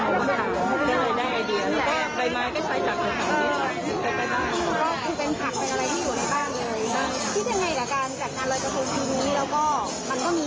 ว่าทำการเราะโปรดที่๑๙ที่เราก็คิดว่ามันจะมีหรือไม่มี